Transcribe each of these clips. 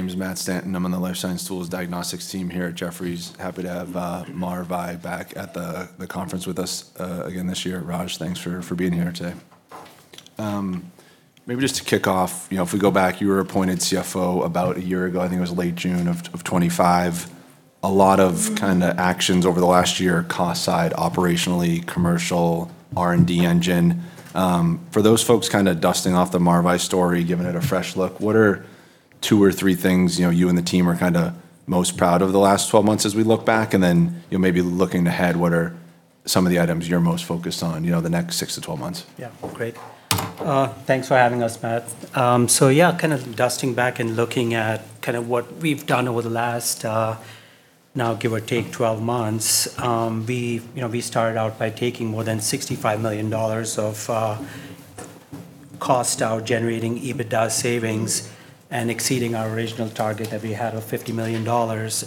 My name is Matt Stanton. I'm on the life science tools diagnostics team here at Jefferies. Happy to have Maravai back at the conference with us again this year. Raj, thanks for being here today. Maybe just to kick off, if we go back, you were appointed CFO about a year ago. I think it was late June of 2025. A lot of actions over the last year, cost side, operationally, commercial, R&D engine. For those folks kind of dusting off the Maravai story, giving it a fresh look, what are two or three things you and the team are most proud of the last 12 months as we look back? Then maybe looking ahead, what are some of the items you're most focused on the next six to 12 months? Yeah. Great. Thanks for having us, Matt. Yeah, kind of dusting back and looking at what we've done over the last now give or take 12 months. We started out by taking more than $65 million of cost out, generating EBITDA savings and exceeding our original target that we had of $50 million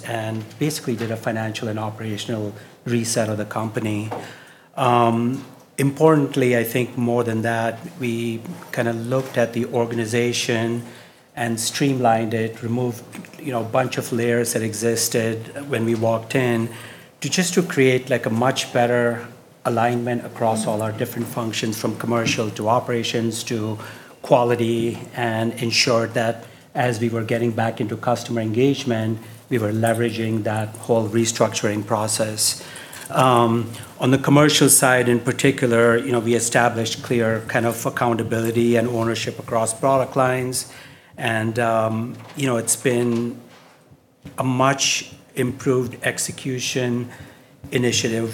and basically did a financial and operational reset of the company. Importantly, I think more than that, we kind of looked at the organization and streamlined it, removed a bunch of layers that existed when we walked in just to create a much better alignment across all our different functions, from commercial to operations to quality, and ensured that as we were getting back into customer engagement, we were leveraging that whole restructuring process. On the commercial side in particular, we established clear accountability and ownership across product lines. It's been a much improved execution initiative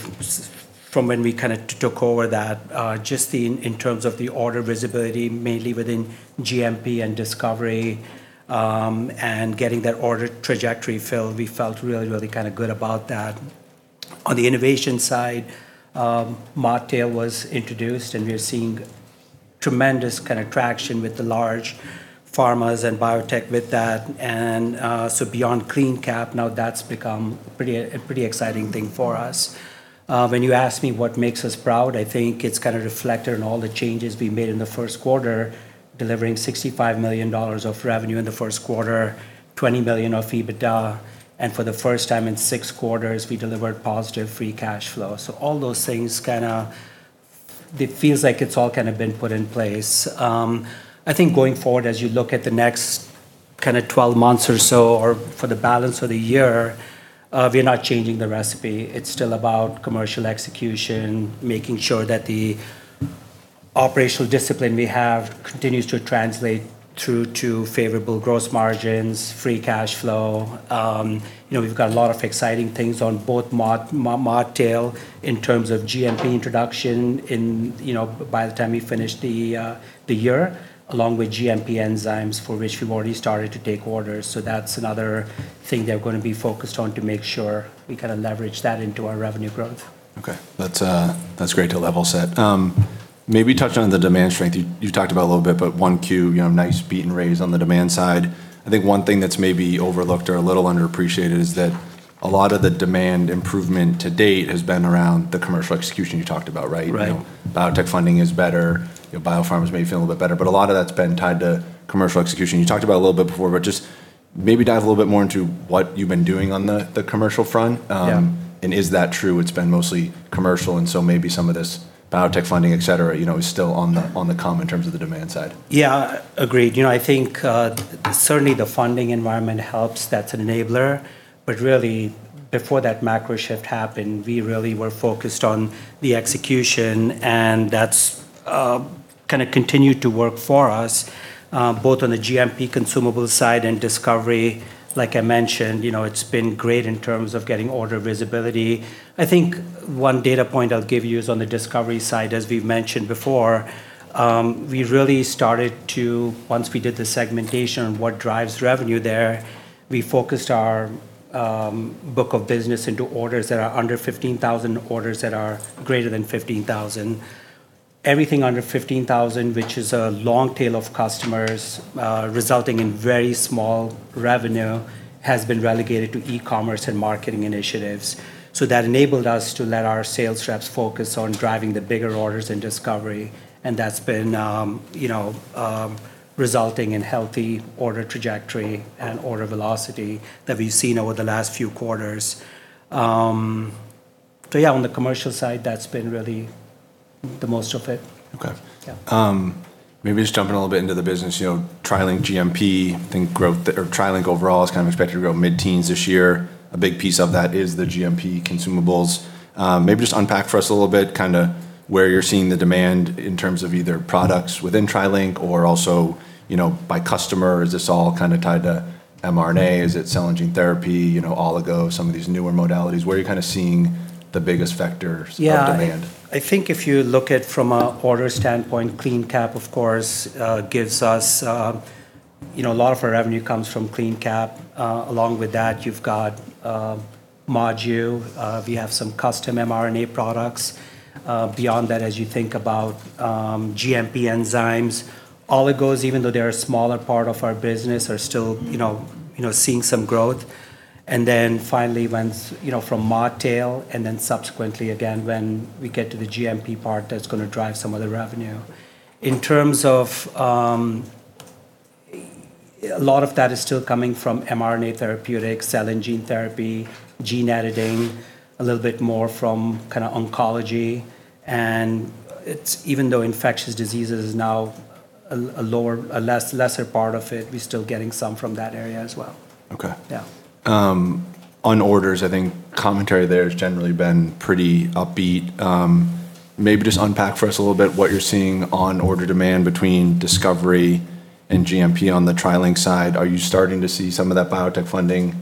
from when we took over that, just in terms of the order visibility, mainly within GMP and discovery, and getting that order trajectory filled. We felt really good about that. On the innovation side, ModTail was introduced, and we are seeing tremendous traction with the large pharmas and biotech with that. Beyond CleanCap now that's become a pretty exciting thing for us. When you ask me what makes us proud, I think it's kind of reflected in all the changes we made in the first quarter, delivering $65 million of revenue in the first quarter, $20 million of EBITDA. For the first time in six quarters, we delivered positive free cash flow. All those things kind of, it feels like it's all been put in place. I think going forward, as you look at the next 12 months or so, or for the balance of the year, we're not changing the recipe. It's still about commercial execution, making sure that the operational discipline we have continues to translate through to favorable gross margins, free cash flow. We've got a lot of exciting things on both ModTail in terms of GMP introduction by the time we finish the year, along with GMP enzymes for which we've already started to take orders. That's another thing that we're going to be focused on to make sure we kind of leverage that into our revenue growth. Okay. That's great to level set. Maybe touch on the demand strength. You've talked about a little bit, but 1Q, nice beat and raise on the demand side. I think one thing that's maybe overlooked or a little underappreciated is that a lot of the demand improvement to date has been around the commercial execution you talked about, right? Right. Biotech funding is better. Biopharmas may feel a bit better, but a lot of that's been tied to commercial execution. You talked about a little bit before, but just maybe dive a little bit more into what you've been doing on the commercial front. Yeah. Is that true? It's been mostly commercial, and so maybe some of this biotech funding, et cetera, is still on the come in terms of the demand side. Yeah. Agreed. I think certainly the funding environment helps. That's an enabler. Really, before that macro shift happened, we really were focused on the execution, and that's continued to work for us both on the GMP consumable side and discovery. Like I mentioned, it's been great in terms of getting order visibility. I think one data point I'll give you is on the discovery side, as we've mentioned before, we really started Once we did the segmentation on what drives revenue there, we focused our book of business into orders that are under 15,000, orders that are greater than 15,000. Everything under 15,000, which is a long tail of customers resulting in very small revenue, has been relegated to e-commerce and marketing initiatives. That enabled us to let our sales reps focus on driving the bigger orders in discovery, and that's been resulting in healthy order trajectory and order velocity that we've seen over the last few quarters. Yeah, on the commercial side, that's been really the most of it. Okay. Yeah. Maybe just jumping a little bit into the business, TriLink GMP, I think Or TriLink overall is kind of expected to grow mid-teens this year. A big piece of that is the GMP consumables. Maybe just unpack for us a little bit where you're seeing the demand in terms of either products within TriLink or also by customer. Is this all kind of tied to mRNA? Is it cell and gene therapy, oligo, some of these newer modalities? Where are you kind of seeing the biggest vectors of demand? Yeah. I think if you look at from an order standpoint, a lot of our revenue comes from CleanCap. Along with that, you've got ModTail. We have some custom mRNA products. Beyond that, as you think about GMP enzymes, oligos, even though they're a smaller part of our business, are still seeing some growth. Finally, from ModTail, subsequently again when we get to the GMP part, that's going to drive some of the revenue. In terms of, a lot of that is still coming from mRNA therapeutics, cell and gene therapy, gene editing, a little bit more from kind of oncology, even though infectious diseases is now a lesser part of it, we're still getting some from that area as well. Okay. Yeah. On orders, I think commentary there has generally been pretty upbeat. Maybe just unpack for us a little bit what you're seeing on order demand between discovery and GMP on the TriLink side. Are you starting to see some of that biotech funding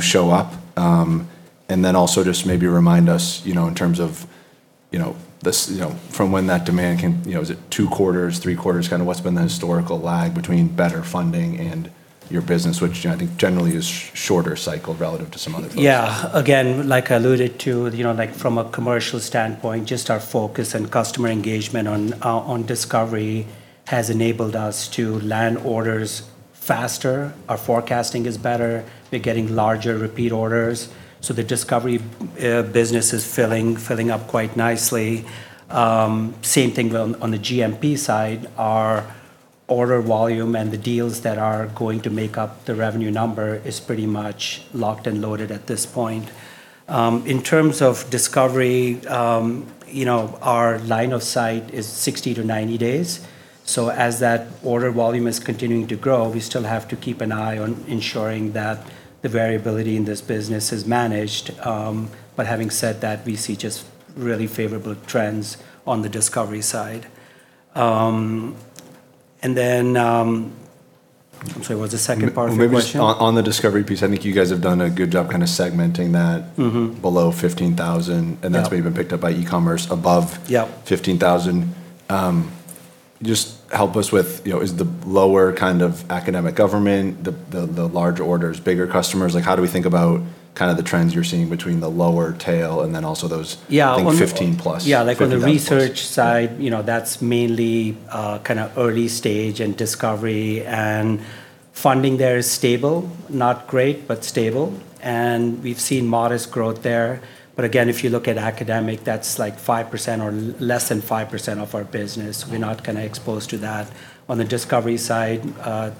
show up? Also just maybe remind us, in terms of from when that demand came. Is it two quarters, three quarters, kind of what's been the historical lag between better funding and your business? Which I think generally is shorter cycle relative to some other folks. Like I alluded to from a commercial standpoint, just our focus and customer engagement on discovery has enabled us to land orders faster. Our forecasting is better. We're getting larger repeat orders. The discovery business is filling up quite nicely. Same thing on the GMP side. Our order volume and the deals that are going to make up the revenue number is pretty much locked and loaded at this point. In terms of discovery, our line of sight is 60 to 90 days. As that order volume is continuing to grow, we still have to keep an eye on ensuring that the variability in this business is managed. Having said that, we see just really favorable trends on the discovery side. I'm sorry, what's the second part of the question? Maybe just on the discovery piece, I think you guys have done a good job kind of segmenting that. Below 15,000, and that's maybe been picked up by e-commerce above. Yeah. 15,000. Just help us with, is the lower kind of academic government, the larger orders, bigger customers? How do we think about the trends you're seeing between the lower tail and then also those? Yeah. I think 15+. Yeah. $15,000+. On the research side, that's mainly early stage and discovery, and funding there is stable. Not great, but stable. We've seen modest growth there. Again, if you look at academic, that's 5% or less than 5% of our business. We're not exposed to that. On the discovery side,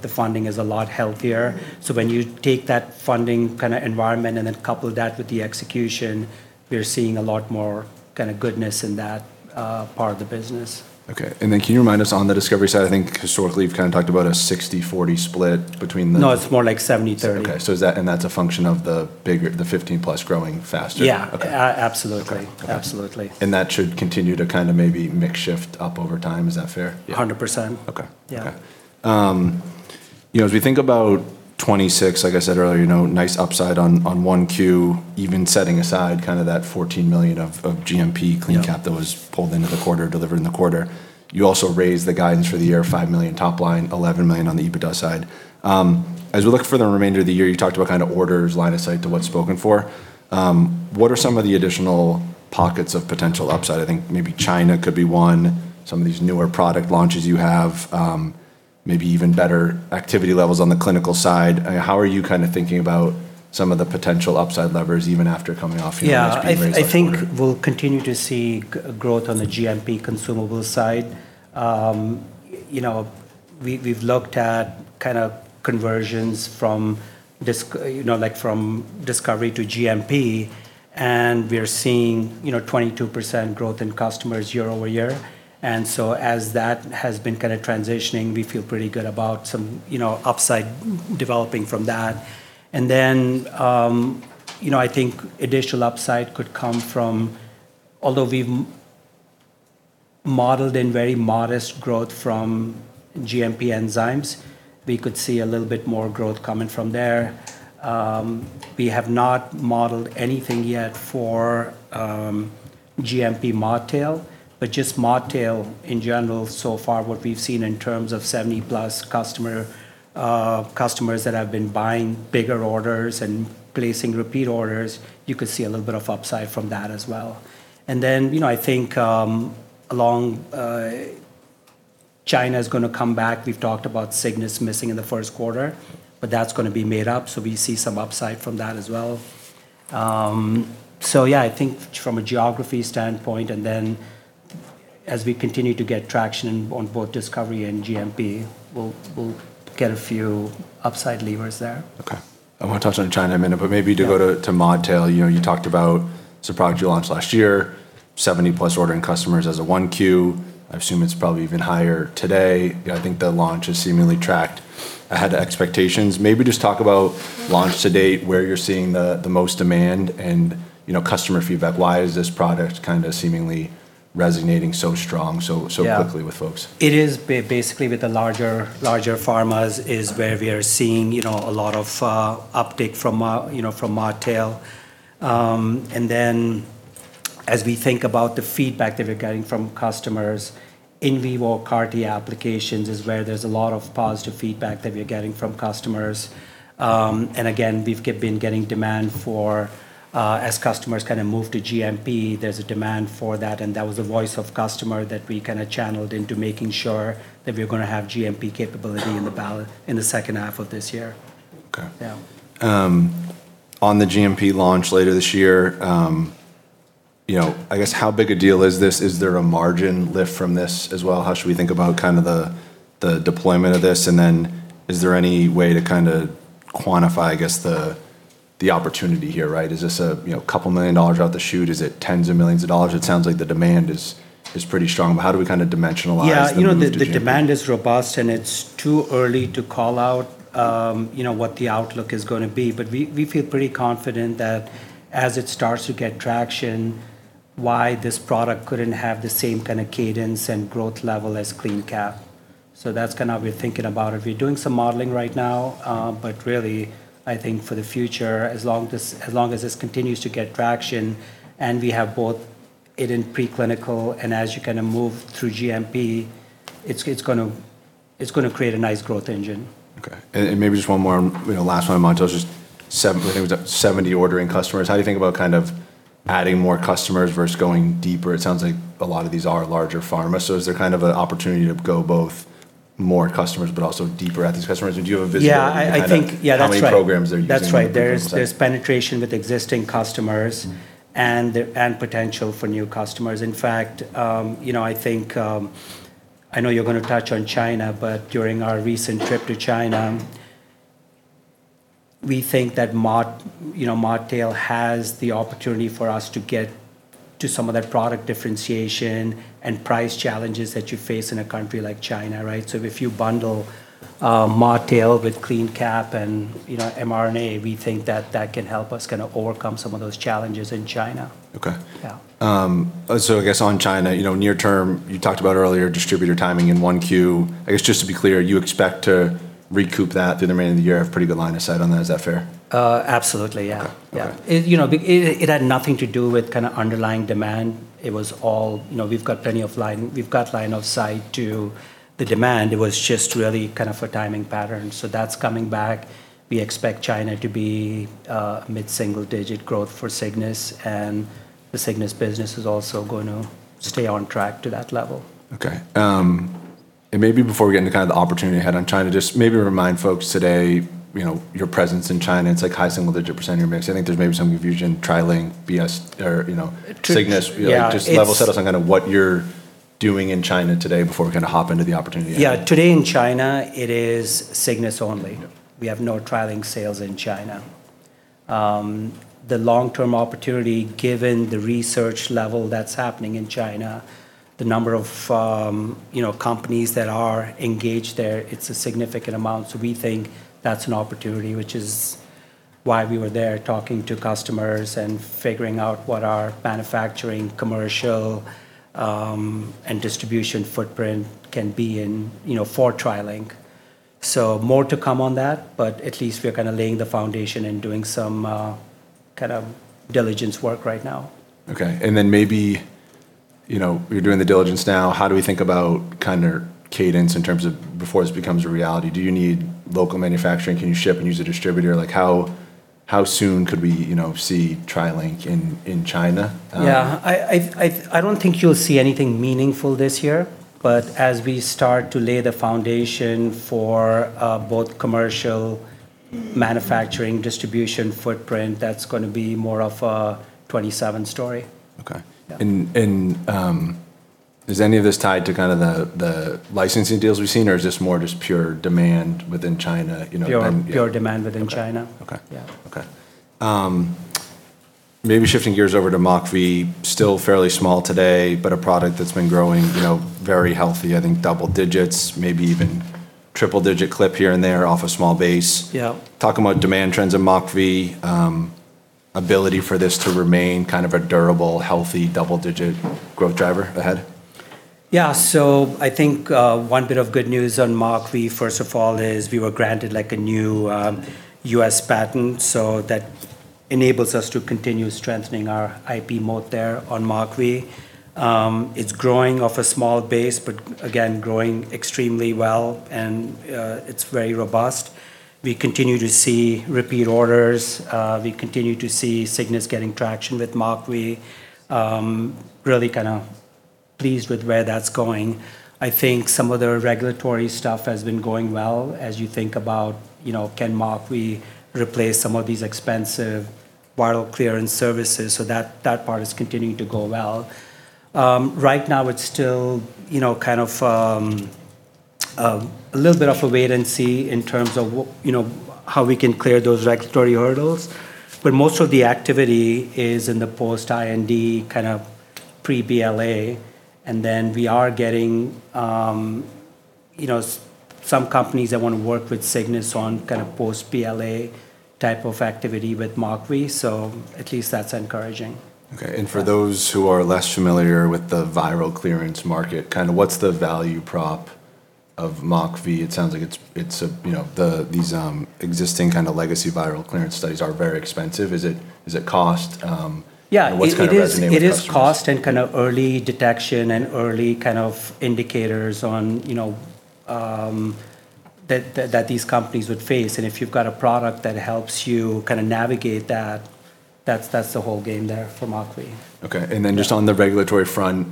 the funding is a lot healthier. When you take that funding kind of environment and then couple that with the execution, we are seeing a lot more goodness in that part of the business. Okay. Can you remind us on the discovery side, I think historically you've kind of talked about a 60/40 split. No, it's more like 70/30. Okay. That's a function of the 15 plus growing faster. Yeah. Okay. Absolutely. Okay. Absolutely. That should continue to kind of maybe mix shift up over time. Is that fair? Yeah. 100%. Okay. Yeah. Okay. As we think about 2026, like I said earlier, nice upside on 1Q. Even setting aside kind of that $14 million of GMP CleanCap. Yeah. That was pulled into the quarter, delivered in the quarter. You also raised the guidance for the year, $5 million top line, $11 million on the EBITDA side. As we look for the remainder of the year, you talked about kind of orders line of sight to what's spoken for. What are some of the additional pockets of potential upside? I think maybe China could be one. Some of these newer product launches you have, maybe even better activity levels on the clinical side. How are you kind of thinking about some of the potential upside levers even after coming off what seems to be a very strong order? Yeah. I think we'll continue to see growth on the GMP consumable side. We've looked at conversions from discovery to GMP, and we are seeing 22% growth in customers year-over-year. As that has been kind of transitioning, we feel pretty good about some upside developing from that. I think additional upside could come from, although we've modeled in very modest growth from GMP enzymes, we could see a little bit more growth coming from there. We have not modeled anything yet for GMP ModTail, but just ModTail in general so far, what we've seen in terms of 70+ customers that have been buying bigger orders and placing repeat orders, you could see a little bit of upside from that as well. I think along, China's going to come back. We've talked about Cygnus missing in the first quarter. That's going to be made up. We see some upside from that as well. Yeah, I think from a geography standpoint, as we continue to get traction on both discovery and GMP, we'll get a few upside levers there. I want to touch on China in a minute, but maybe to go to ModTail. You talked about it's a product you launched last year, 70+ ordering customers as of 1Q. I assume it's probably even higher today. I think the launch has seemingly tracked ahead of expectations. Maybe just talk about launch to date, where you're seeing the most demand and customer feedback. Why is this product kind of seemingly resonating so strong so quickly with folks? Yeah. It is basically with the larger pharmas is where we are seeing a lot of uptake from ModTail. as we think about the feedback that we're getting from customers, in vivo CAR-T applications is where there's a lot of positive feedback that we are getting from customers. again, we've been getting demand for as customers move to GMP, there's a demand for that, and that was the voice of customer that we kind of channeled into making sure that we are going to have GMP capability in the ballot in the second half of this year. Okay. Yeah. On the GMP launch later this year, I guess, how big a deal is this? Is there a margin lift from this as well? How should we think about the deployment of this, and then is there any way to quantify, I guess, the opportunity here, right? Is this a $2 million out the chute? Is it $ tens of millions? It sounds like the demand is pretty strong, but how do we kind of dimensionalize the move here? Yeah. I think the demand is robust, and it's too early to call out what the outlook is going to be. We feel pretty confident that as it starts to get traction, why this product couldn't have the same kind of cadence and growth level as CleanCap. That's kind of we're thinking about. We're doing some modeling right now, really, I think for the future, as long as this continues to get traction and we have both it in pre-clinical and as you move through GMP, it's going to create a nice growth engine. Okay. Maybe just one more, last one on ModTail. I think it was 70 ordering customers. How do you think about adding more customers versus going deeper? It sounds like a lot of these are larger pharmas. Is there kind of an opportunity to go both more customers, but also deeper at these customers? Do you have a visibility into? Yeah. How many programs they're using from a site? That's right. There's penetration with existing customers and potential for new customers. In fact, you know I think, I know you're going to touch on China, but you during our recent trip to China, we think that ModTail has the opportunity for us to get to some of that product differentiation and price challenges that you face in a country like China, right. If you bundle ModTail with CleanCap and mRNA, we think that that can help us overcome some of those challenges in China. Okay. Yeah. I guess on China, near term, you talked about earlier distributor timing in 1Q. I guess just to be clear, you expect to recoup that through the remainder of the year, have pretty good line of sight on that. Is that fair? Absolutely, yeah. Okay. Yeah. It had nothing to do with kind of underlying demand. We've got line of sight to the demand. It was just really kind of a timing pattern. That's coming back. We expect China to be mid-single digit growth for Cygnus, and the Cygnus business is also going to stay on track to that level. Okay. Maybe before we get into kind of the opportunity ahead on China, just maybe remind folks today your presence in China, it's like high single digit % of your mix. I think there's maybe some confusion, TriLink, Biologics Safety Testing, or Cygnus. Yeah. Just level set us on kind of what you're doing in China today before we kind of hop into the opportunity ahead. Yeah. Today in China, it is Cygnus only. Okay. We have no TriLink sales in China. The long-term opportunity, given the research level that's happening in China, the number of companies that are engaged there, it's a significant amount. We think that's an opportunity, which is why we were there talking to customers and figuring out what our manufacturing, commercial, and distribution footprint can be in for TriLink. More to come on that, but at least we are kind of laying the foundation and doing some kind of diligence work right now. Okay. Then maybe, you're doing the diligence now. How do we think about kind of cadence in terms of before this becomes a reality? Do you need local manufacturing? Can you ship and use a distributor? How soon could we see TriLink in China? Yeah. I don't think you'll see anything meaningful this year, but as we start to lay the foundation for both commercial manufacturing distribution footprint, that's going to be more of a 2027 story. Okay. Yeah. Is any of this tied to kind of the licensing deals we've seen, or is this more just pure demand within China? Pure demand within China. Okay. Yeah. Okay. Maybe shifting gears over to MockV. Still fairly small today, but a product that's been growing very healthy, I think double digits, maybe even triple digit clip here and there off a small base. Yeah. Talk about demand trends in MockV, ability for this to remain kind of a durable, healthy, double-digit growth driver ahead. Yeah. I think one bit of good news on MockV, first of all, is we were granted a new U.S. patent, that enables us to continue strengthening our IP moat there on MockV. It's growing off a small base, again, growing extremely well, it's very robust. We continue to see repeat orders. We continue to see Cygnus getting traction with MockV. Really kind of pleased with where that's going. I think some of the regulatory stuff has been going well, as you think about can MockV replace some of these expensive viral clearance services. That part is continuing to go well. Right now it's still kind of a little bit of a wait and see in terms of how we can clear those regulatory hurdles. Most of the activity is in the post-IND kind of pre-BLA, and then we are getting some companies that want to work with Cygnus on kind of post-BLA type of activity with MockV. At least that's encouraging. Okay. For those who are less familiar with the viral clearance market, kind of what's the value prop of MockV? It sounds like these existing kind of legacy viral clearance studies are very expensive. Is it cost? Yeah. What's kind of resonating with customers? It is cost and kind of early detection and early kind of indicators that these companies would face. If you've got a product that helps you kind of navigate that's the whole game there for MockV. Okay. Just on the regulatory front,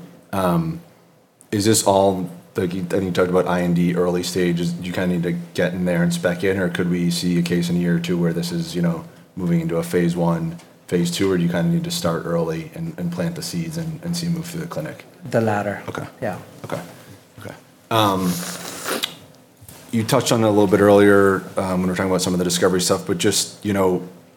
is this all? I think you talked about IND early stages. Do you kind of need to get in there and spec in, or could we see a case in a year or two where this is moving into a phase I, phase II? Do you kind of need to start early and plant the seeds and see them move through the clinic? The latter. Okay. Yeah. Okay. You touched on it a little bit earlier when we were talking about some of the discovery stuff, just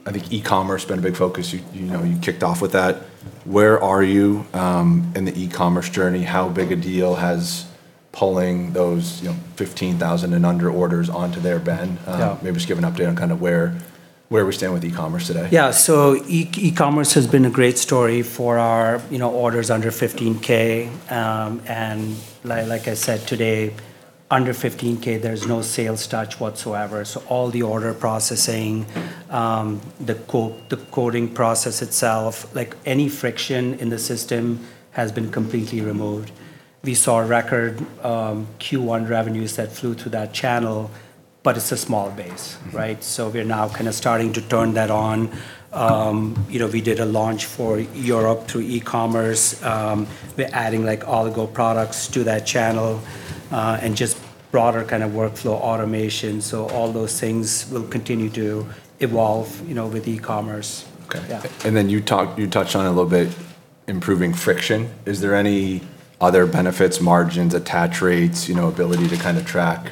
I think e-commerce has been a big focus. You kicked off with that. Where are you in the e-commerce journey? How big a deal has pulling those 15,000 and under orders onto there been? Yeah. Maybe just give an update on kind of where we stand with e-commerce today. Yeah. E-commerce has been a great story for our orders under 15K, and like I said today, under 15K there's no sales touch whatsoever. All the order processing, the coding process itself, any friction in the system has been completely removed. We saw record Q1 revenues that flew through that channel, but it's a small base, right? We're now kind of starting to turn that on. We did a launch for Europe through e-commerce. We're adding oligo products to that channel, and just broader kind of workflow automation. All those things will continue to evolve with e-commerce. Okay. Yeah. You touched on it a little bit, improving friction. Is there any other benefits, margins, attach rates, ability to kind of track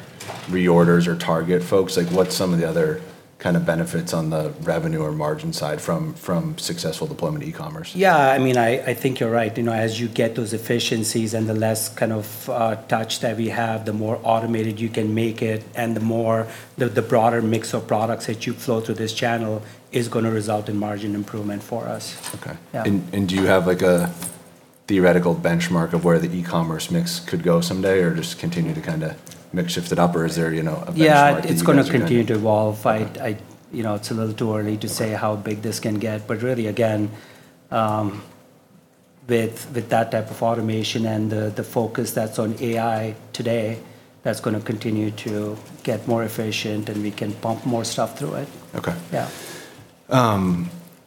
reorders or target folks? What's some of the other kind of benefits on the revenue or margin side from successful deployment of e-commerce? Yeah, I think you're right. As you get those efficiencies and the less kind of touch that we have, the more automated you can make it and the broader mix of products that you flow through this channel is going to result in margin improvement for us. Okay. Yeah. Do you have a theoretical benchmark of where the e-commerce mix could go someday, or just continue to kind of mix, shift it up? Is there a benchmark that you guys are going to? Yeah, it's going to continue to evolve. Okay. It's a little too early to say how big this can get, but really again, with that type of automation and the focus that's on AI today, that's going to continue to get more efficient, and we can pump more stuff through it. Okay. Yeah.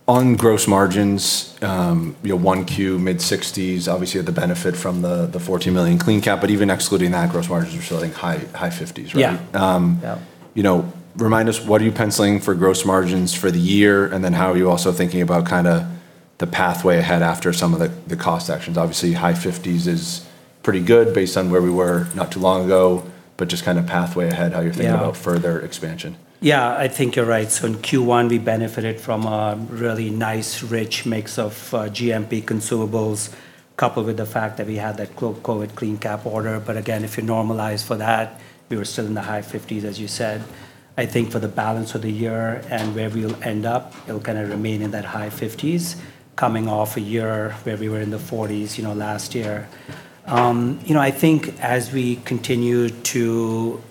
On gross margins, 1Q mid-60s, obviously had the benefit from the $14 million CleanCap, but even excluding that, gross margins are still I think high 50s, right? Yeah. Remind us what are you penciling for gross margins for the year, and then how are you also thinking about kind of the pathway ahead after some of the cost actions? Obviously, high 50s is pretty good based on where we were not too long ago. Yeah. About further expansion. Yeah, I think you're right. In Q1, we benefited from a really nice, rich mix of GMP consumables, coupled with the fact that we had that COVID CleanCap order. Again, if you normalize for that, we were still in the high 50s, as you said. I think for the balance of the year and where we'll end up, it'll kind of remain in that high 50s coming off a year where we were in the 40s last year. I think as we continue to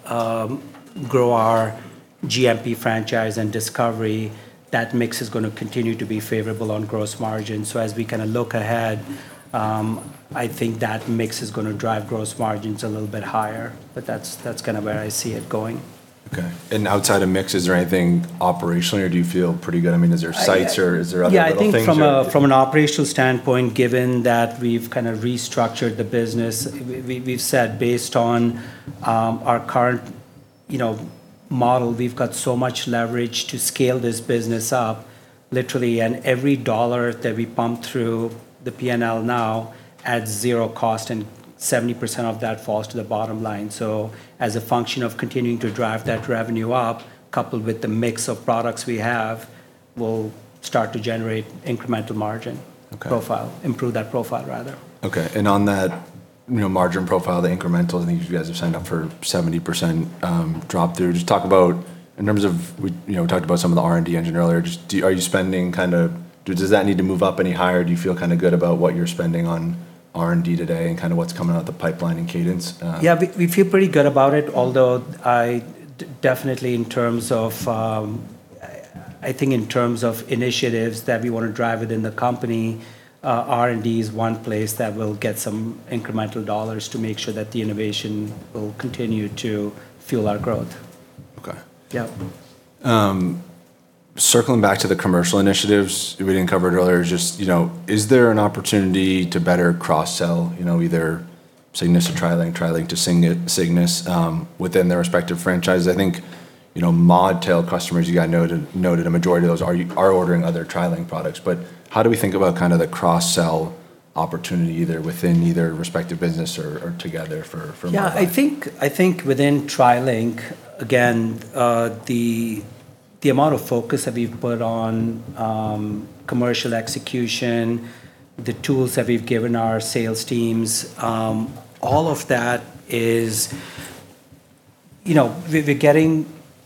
grow our GMP franchise and discovery, that mix is going to continue to be favorable on gross margin. As we kind of look ahead, I think that mix is going to drive gross margins a little bit higher, but that's kind of where I see it going. Okay. Outside of mix, is there anything operational or do you feel pretty good? I mean, is there sites or are there other little things? Yeah, I think from an operational standpoint, given that we've kind of restructured the business, we've said based on our current model, we've got so much leverage to scale this business up literally, and every dollar that we pump through the P&L now adds zero cost, and 70% of that falls to the bottom line. As a function of continuing to drive that revenue up, coupled with the mix of products we have, we'll start to generate incremental margin. Okay Profile. Improve that profile, rather. Okay. On that margin profile, the incremental, I think you guys are signed up for 70% drop through. Just talk about in terms of, we talked about some of the R&D engine earlier. Does that need to move up any higher, or do you feel kind of good about what you're spending on R&D today and kind of what's coming out the pipeline in cadence? Yeah, we feel pretty good about it. I think in terms of initiatives that we want to drive within the company, R&D is one place that will get some incremental dollars to make sure that the innovation will continue to fuel our growth. Okay. Yeah. Circling back to the commercial initiatives we didn't cover earlier, just is there an opportunity to better cross-sell either Cygnus to TriLink to Cygnus, within their respective franchises? I think ModTail customers, you noted a majority of those are ordering other TriLink products. How do we think about kind of the cross-sell opportunity, either within either respective business or together? I think within TriLink, again, the amount of focus that we've put on commercial execution, the tools that we've given our sales teams, all of that is we're getting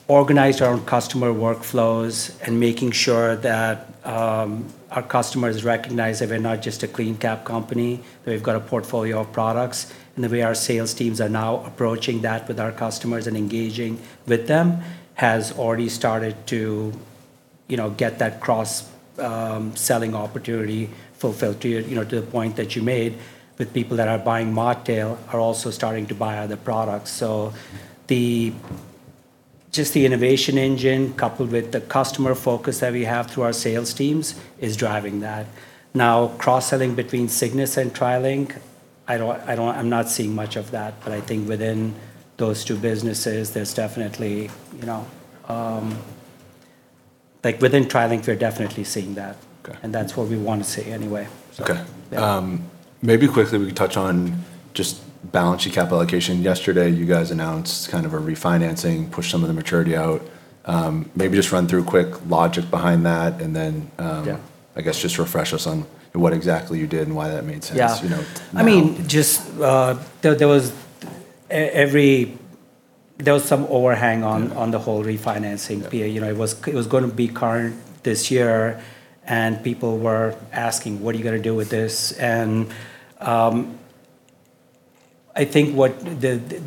organized around customer workflows and making sure that our customers recognize that we're not just a CleanCap company, but we've got a portfolio of products. The way our sales teams are now approaching that with our customers and engaging with them has already started to get that cross-selling opportunity fulfilled, to the point that you made, with people that are buying ModTail are also starting to buy other products. The innovation engine, coupled with the customer focus that we have through our sales teams, is driving that. Cross-selling between Cygnus and TriLink, I'm not seeing much of that, but I think within those two businesses, Within TriLink, we're definitely seeing that. Okay. That's what we want to see anyway. Okay. Maybe quickly, we can touch on just balance sheet capital allocation. Yesterday, you guys announced kind of a refinancing, pushed some of the maturity out. Maybe just run through a quick logic behind that. Yeah. I guess just refresh us on what exactly you did and why that made sense. Yeah. Now. There was some overhang on the whole refinancing PA. It was going to be current this year. People were asking: What are you going to do with this? I think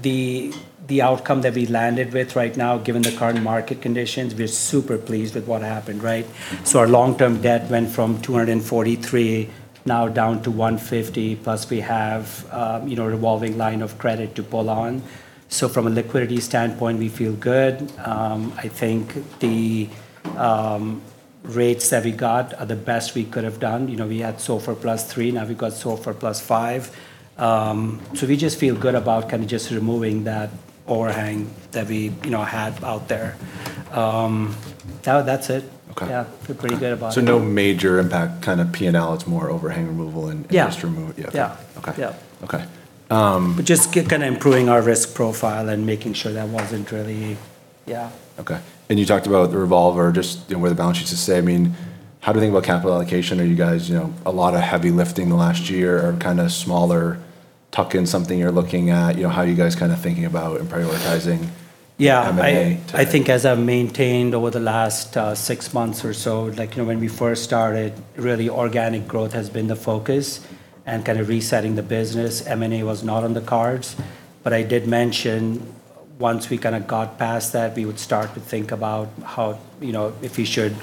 the outcome that we landed with right now, given the current market conditions, we're super pleased with what happened, right? Our long-term debt went from $243 now down to $150, plus we have a revolving line of credit to pull on. From a liquidity standpoint, we feel good. I think the rates that we got are the best we could have done. We had SOFR plus three. Now we've got SOFR plus five. We just feel good about kind of just removing that overhang that we had out there. That's it. Okay. Yeah. Feel pretty good about it. No major impact kind of P&L. It's more overhang removal. Yeah. Interest remove. Yeah. Yeah. Okay. Yeah. Okay. Just kind of improving our risk profile and making sure that wasn't really. Yeah. Okay. You talked about the revolver, just with the balance sheet, I mean, how do you think about capital allocation? Are you guys a lot of heavy lifting the last year or kind of smaller tuck-in something you're looking at? How are you guys kind of thinking about and prioritizing? Yeah. M&A today? I think as I've maintained over the last six months or so, when we first started, really organic growth has been the focus and kind of resetting the business. M&A was not on the cards. I did mention once we kind of got past that, we would start to think about if we should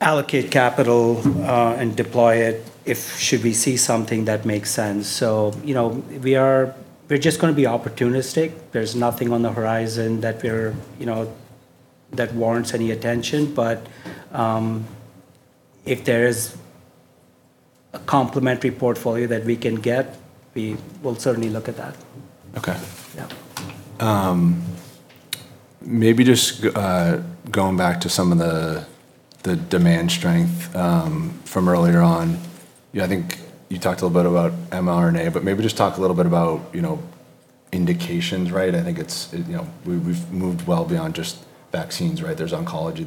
allocate capital and deploy it if should we see something that makes sense. We're just going to be opportunistic. There's nothing on the horizon that warrants any attention. If there is a complementary portfolio that we can get, we will certainly look at that. Okay. Yeah. Maybe just going back to some of the demand strength from earlier on. I think you talked a little bit about mRNA, but maybe just talk a little bit about indications, right? I think we've moved well beyond just vaccines, right? There's oncology.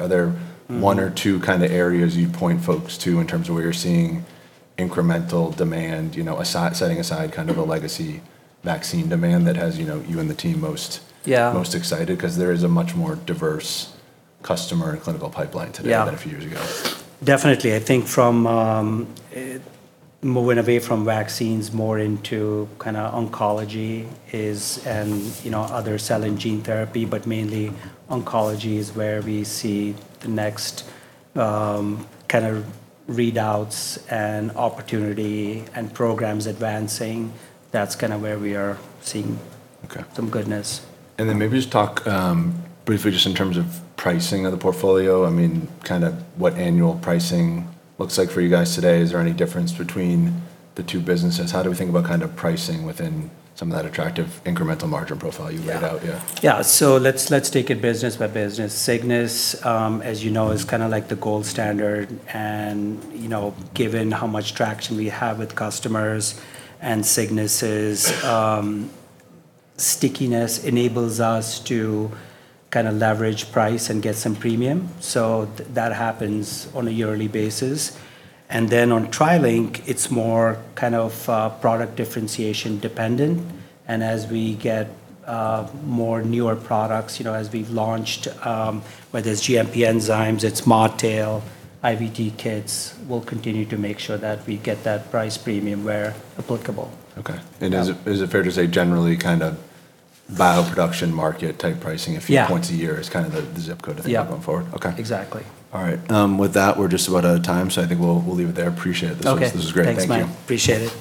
Are there one or two kind of areas you'd point folks to in terms of where you're seeing incremental demand, setting aside kind of a legacy vaccine demand? Yeah. Most excited? Because there is a much more diverse customer and clinical pipeline today. Yeah. Than a few years ago. Definitely. I think from moving away from vaccines more into kind of oncology and other cell and gene therapy, but mainly oncology is where we see the next kind of readouts and opportunity and programs advancing. That's kind of where we are seeing- Okay. Some goodness. Then maybe just talk briefly just in terms of pricing of the portfolio. I mean, kind of what annual pricing looks like for you guys today. Is there any difference between the two businesses? How do we think about kind of pricing within some of that attractive incremental margin profile you laid out here? Yeah. Let's take it business by business. Cygnus, as you know, is kind of like the gold standard. Given how much traction we have with customers and Cygnus's stickiness enables us to kind of leverage price and get some premium. That happens on a yearly basis. On TriLink, it's more kind of product differentiation dependent, and as we get more newer products, as we've launched, whether it's GMP enzymes, it's ModTail, IVD kits, we'll continue to make sure that we get that price premium where applicable. Okay. Yeah. Is it fair to say generally kind of bioproduction market type pricing a few-? Yeah. Points a year is kind of the ZIP code, I think, going forward? Yeah. Okay. Exactly. All right. With that, we're just about out of time, I think we'll leave it there. Appreciate it. Okay. This was great. Thank you. Thanks, Matt. Appreciate it.